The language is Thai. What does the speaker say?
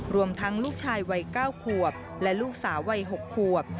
รวมทั้งลูกชายวัย๙ขวบและลูกสาววัย๖ขวบ